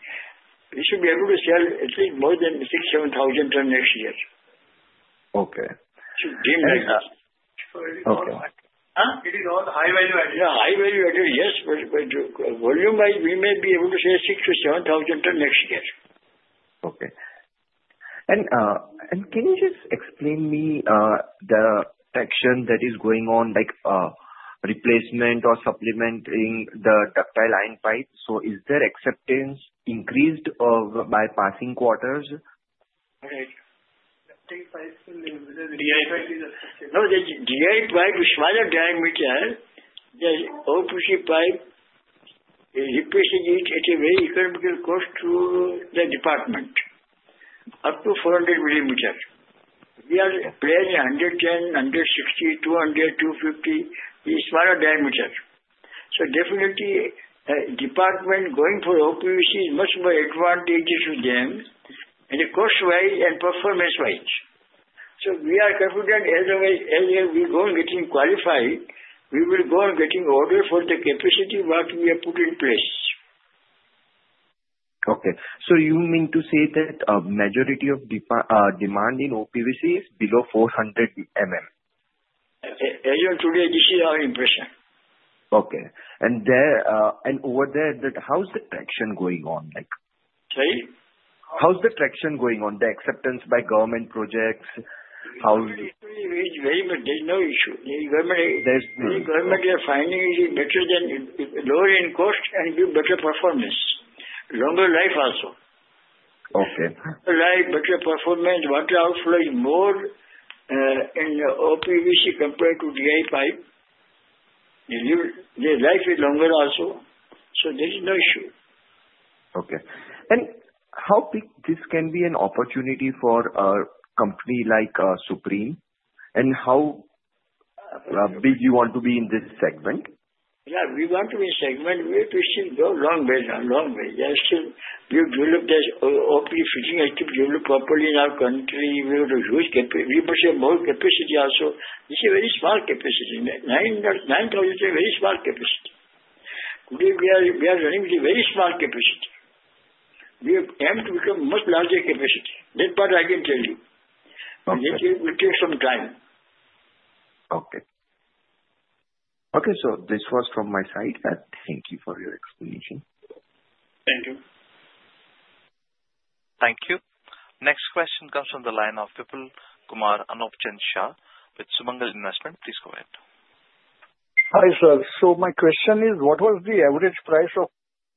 We should be able to sell at least more than 6,000-7,000 tons next year. Okay. It is all high-value added. High-value added, yes. But volume-wise, we may be able to sell 6,000-7,000 tons next year. Okay. And can you just explain me the action that is going on, like replacement or supplementing the ductile iron pipe? So is there acceptance increased by passing quarters? Okay. DI pipe will be the. No, the DI pipe, smaller diameter OPVC pipe is replacing it at a very economical cost to the department, up to 400 millimeters. We are planning 110, 160, 200, 250. It's smaller diameter. So definitely, department going for OPVC is much more advantageous to them at a cost-wise and performance-wise. So we are confident as we go on getting qualified, we will go on getting orders for the capacity work we have put in place. Okay. So you mean to say that majority of demand in OPVC is below 400. As of today, this is our impression. Okay. And over there, how is the traction going on? Sorry? How is the traction going on? The acceptance by government projects? Government is doing very good. There's no issue. The government is finding it is better than lower in cost and give better performance. Longer life also. Okay. Better performance, water outflow is more in OPVC compared to DI pipe. The life is longer also. So there is no issue. Okay. And how big this can be an opportunity for a company like Supreme? And how big you want to be in this segment? Yeah. We want to be in segment. We have to still go long way. There are still developed as OPVC has to develop properly in our country. We have to use capacity. We must have more capacity also. This is a very small capacity. 9,000 is a very small capacity. We are running with a very small capacity. We have aimed to become much larger capacity. That part I can tell you. It will take some time. Okay. Okay. So this was from my side. Thank you for your explanation. Thank you. Thank you. Next question comes from the line of Vipulkumar Anupchand Shah, with Sumangal Investment. Please go ahead. Hi, sir. So my question is, what was the average price of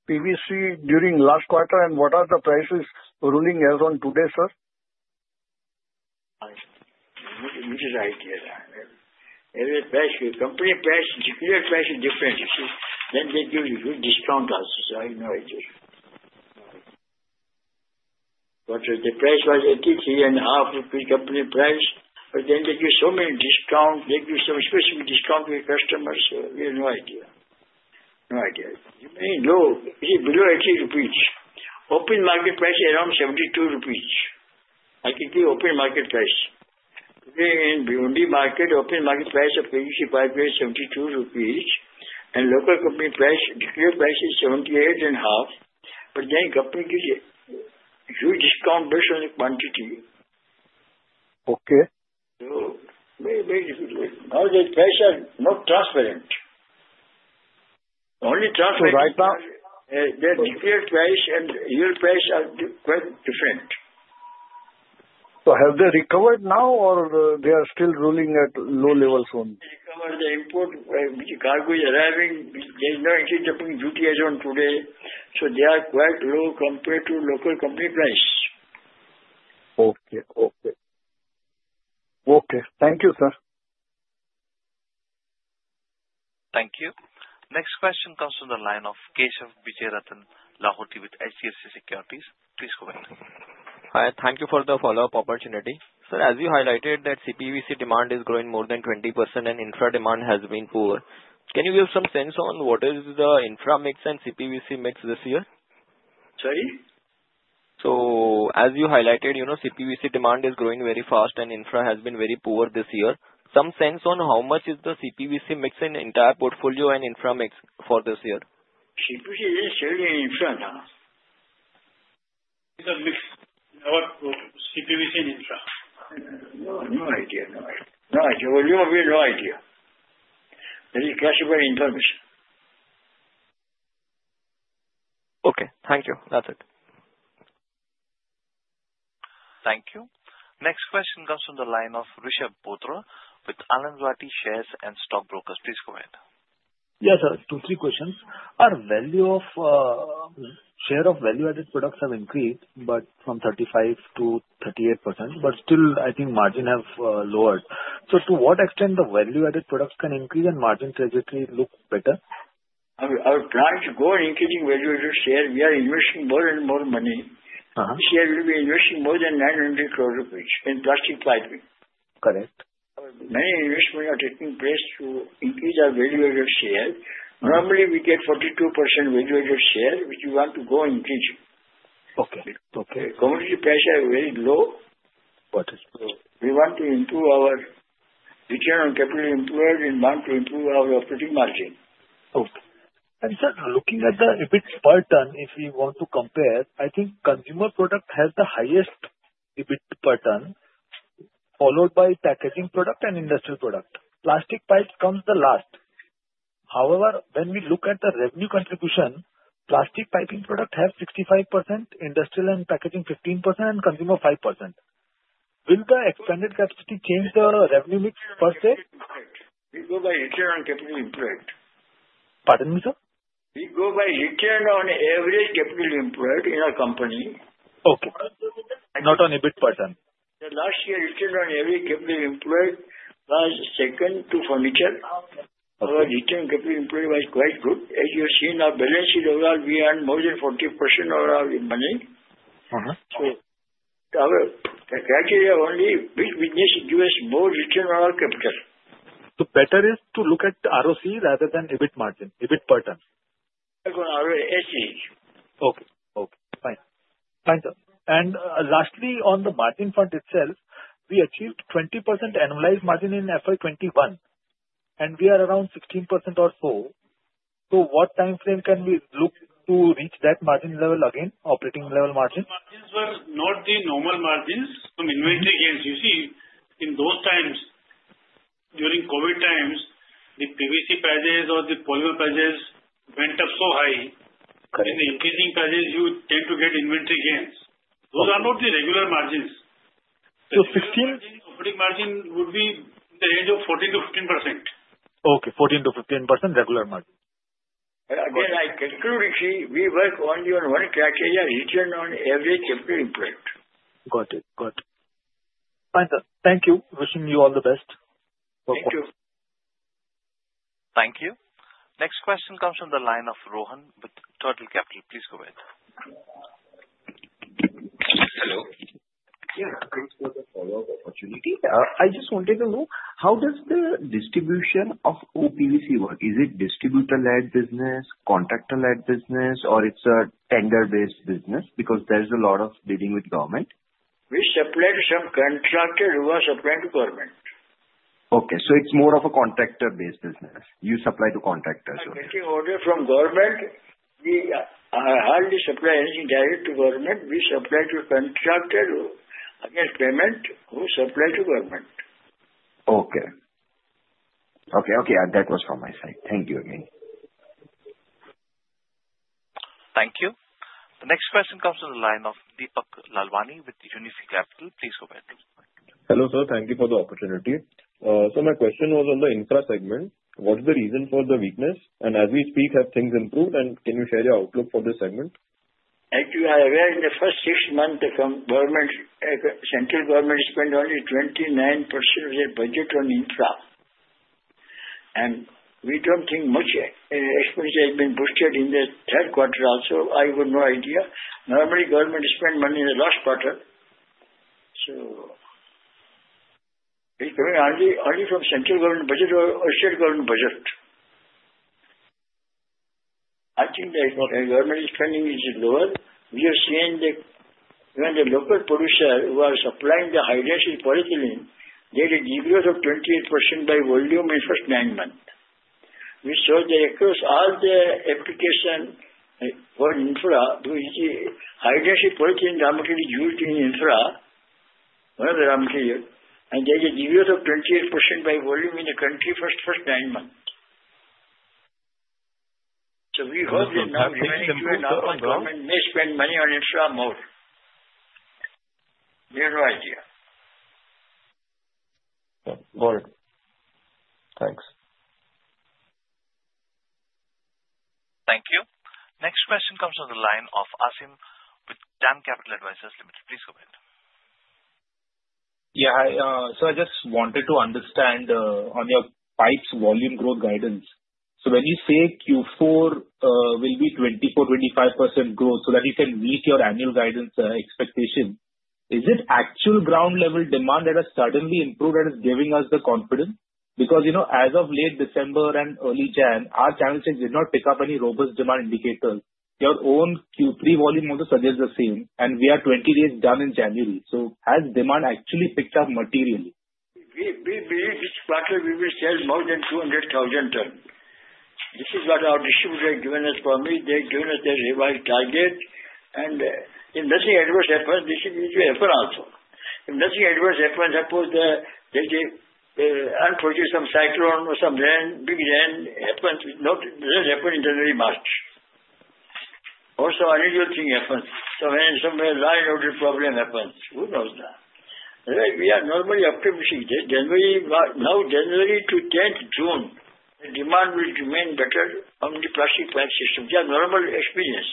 PVC during last quarter, and what are the prices ruling as on today, sir? It is right here. Every price, company price, different. Then they give you good discount also. So I have no idea. But the price was 83.50, company price. But then they give so many discounts. They give some special discount to your customers. We have no idea. No idea. You may know it is below INR 80. Open market price is around 72 rupees. I can give you open market price. Today in Bombay market, open market price of PVC pipe is 72 rupees. And local company price, declared price is 78.50. But then company gives you huge discount based on the quantity. Okay. So very, very difficult. Now the prices are not transparent. Only transparent price. So right now, the declared price and real price are quite different. So have they recovered now, or they are still ruling at low levels only? They recovered. The import cargo is arriving. There is no anti-dumping duty as on today. So they are quite low compared to local company price. Okay. Okay. Okay. Thank you, sir. Thank you. Next question comes from the line of Keshav Lahoti with HDFC Securities. Please go ahead. Hi. Thank you for the follow-up opportunity. Sir, as you highlighted that CPVC demand is growing more than 20% and infra demand has been poor, can you give some sense on what is the infra mix and CPVC mix this year? Sorry? So as you highlighted, CPVC demand is growing very fast and infra has been very poor this year. Some sense on how much is the CPVC mix in the entire portfolio and infra mix for this year? CPVC is selling infra now. CPVC and infra. No idea. No idea. No idea. Volume-wise, no idea. That is classified information. Okay. Thank you. That's it. Thank you. Next question comes from the line of Rishab Bothra with Anand Rathi Share and Stock Brokers. Please go ahead. Yes, sir. Two, three questions. Our value of share of value-added products have increased from 35%-38%, but still, I think margin have lowered. So, to what extent the value-added products can increase and margin trajectory look better? Our plan to go on increasing value-added share, we are investing more and more money. This year we will be investing more than 900 crore in plastic piping. Correct. Many investments are taking place to increase our value-added share. Normally, we get 42% value-added share, which we want to go and increase. Okay. Okay. Commodity prices are very low. What is low? We want to improve our return on capital employed and want to improve our operating margin. Okay. And sir, looking at the EBIT per ton, if we want to compare, I think consumer product has the highest EBIT per ton, followed by packaging product and industrial product. Plastic piping comes last. However, when we look at the revenue contribution, plastic piping product has 65%, industrial and packaging 15%, and consumer 5%. Will the expanded capacity change the revenue mix per se? We go by return on capital employed. Pardon me, sir? We go by return on average capital employed in a company. Okay. Not on EBIT per ton. Last year, return on average capital employed was second to furniture. Our return on capital employed was quite good. As you have seen, our balance sheet overall, we earned more than 40% of our money. So the criteria only which business gives us more return on our capital. So better is to look at ROCE rather than EBIT margin, EBIT per ton. On ROCE. Okay. Okay. Fine. Thank you. And lastly, on the margin front itself, we achieved 20% annualized margin in FY 2021, and we are around 16% or so. So what timeframe can we look to reach that margin level again, operating level margin? Margins were not the normal margins. Some inventory gains. You see, in those times, during COVID times, the PVC prices or the polymer prices went up so high. In the increasing prices, you tend to get inventory gains. Those are not the regular margins. So 16% operating margin would be in the range of 14%-15%. Okay. 14%-15% regular margin. Again, I conclude we work only on one criteria, return on average capital employed. Got it. Got it. Thank you. Wishing you all the best. Thank you. Thank you. Next question comes from the line of Rohan with Turtle Capital. Please go ahead. Hello. Yeah. Thanks for the follow-up opportunity. I just wanted to know, how does the distribution of OPVC work? Is it distributor-led business, contractor-led business, or it's a tender-based business? Because there's a lot of dealing with government. We supply to some contractor who are supplying to government. Okay. So it's more of a contractor-based business. You supply to contractors. We're getting orders from government. We hardly supply anything direct to government. We supply to a contractor who gets payment, who supplies to government. Okay. Okay. Okay. That was from my side. Thank you again. Thank you. The next question comes from the line of Deepak Lalwani with Unifi Capital. Please go ahead. Hello, sir. Thank you for the opportunity. So my question was on the infra segment. What is the reason for the weakness? And as we speak, have things improved? And can you share your outlook for this segment? As you are aware, in the first six months, central government spent only 29% of their budget on infra. And we don't think much expenditure has been boosted in the third quarter also. I have no idea. Normally, government spent money in the last quarter. So it's coming only from central government budget or state government budget. I think the government spending is lower. We have seen that when the local producer who was supplying the high-density polyethylene, they had a decrease of 28% by volume in the first nine months. We saw that across all the application for infra, high-density polyethylene raw material used in infra, one of the raw materials, and there is a decrease of 28% by volume in the country for the first nine months. So we hope that now hopefully and our own government may spend money on infra more. We have no idea. Got it. Thanks. Thank you. Next question comes from the line of Aasim with DAM Capital Advisors Limited. Please go ahead. Yeah. Hi. So I just wanted to understand on your pipes volume growth guidance. So when you say Q4 will be 24%-25% growth so that you can meet your annual guidance expectation, is it actual ground-level demand that has suddenly improved that is giving us the confidence? Because as of late December and early January, our channel checks did not pick up any robust demand indicators. Your own Q3 volume also suggests the same. And we are 20 days done in January. So has demand actually picked up materially? We believe each quarter we will sell more than 200,000 tons. This is what our distributor has given us. They have given us their revised target. And if nothing adverse happens, this is usually happen also. If nothing adverse happens, suppose they unpredicted some cyclone or some big rain, it doesn't happen in January-March. Also, unusual thing happens. So when some line order problem happens, who knows that? We are normally optimistic. Now, January to 10th June, the demand will remain better on the plastic piping system. We have normal experience.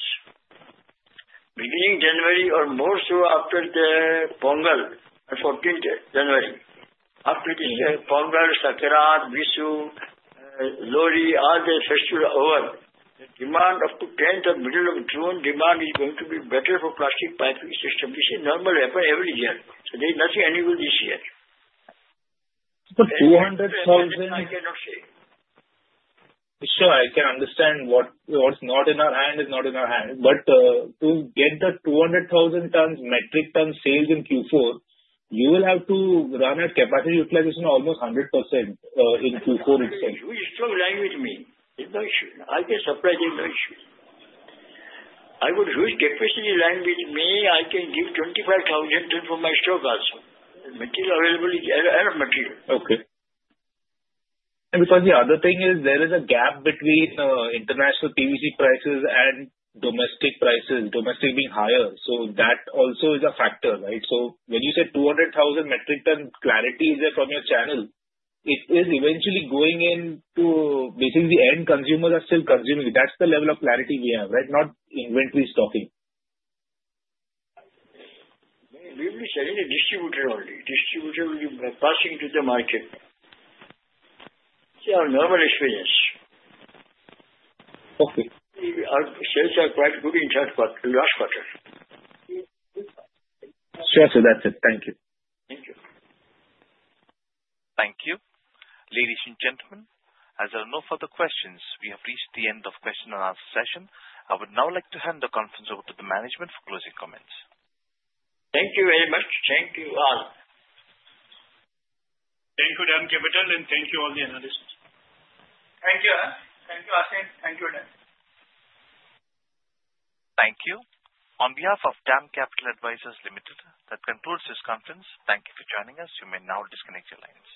Beginning January or more so after the Pongal, on 14th January. After this Pongal, Sakrat, Vishu, Lohri, all the festivals over, the demand up to 10th or middle of June, demand is going to be better for plastic piping system. This is normal happen every year. So there is nothing unusual this year. So 200,000? I cannot say. Sir, I can understand what's not in our hand is not in our hand. But to get the 200,000 tons metric tons sales in Q4, you will have to run at capacity utilization almost 100% in Q4 itself. You use stock lying with me. There's no issue. I can supply there's no issue. I will use capacity lying with me. I can give 25,000 tons for my stock also. Material availability is a lot of material. Okay. And because the other thing is there is a gap between international PVC prices and domestic prices, domestic being higher. So that also is a factor, right? So when you say 200,000 metric tons, clarity is there from your channel. It is eventually going into basically the end consumers are still consuming. That's the level of clarity we have, right? Not inventory stocking. We will sell in the distributor only. Distributor will be passing to the market. We have normal experience. Okay. Our sales are quite good in the last quarter. Sir, so that's it. Thank you. Thank you. Thank you. Ladies and gentlemen, as there are no further questions, we have reached the end of question and answer session. I would now like to hand the conference over to the management for closing comments. Thank you very much. Thank you all. Thank you, DAM Capital, and thank you all the analysts. Thank you, sir. Thank you, Aasim. Thank you, DAM. Thank you. On behalf of DAM Capital Advisors Limited, that concludes this conference. Thank you for joining us. You may now disconnect your lines.